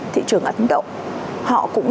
thị trường ấn độ họ cũng